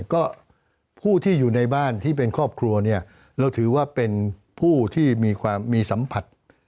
ก็ผู้ที่อยู่ในบ้านที่เป็นครอบครัวเนี่ยเราถือว่าเป็นผู้ที่มีความมีสัมผัส